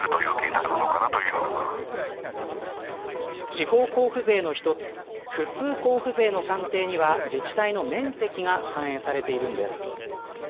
地方交付税の一つ普通交付税の算定には自治体の面積が反映されているんです。